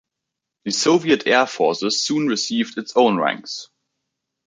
The Soviet Air Forces soon received its own ranks.